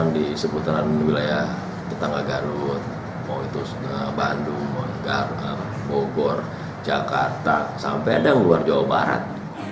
di seputaran wilayah tetangga garut mau itu bandung bogor jakarta sampai ada yang luar jawa barat